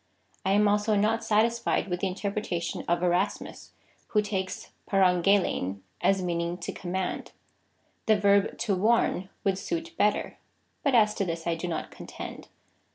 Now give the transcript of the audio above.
^ I am also not satisfied with the interpretation of Erasmus, who takes TrapayjeXketv as meaning to command. The verb to warn would suit better, but as to this I do not contend.